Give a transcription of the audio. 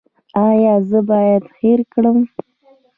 ایا زه باید هیر کړم؟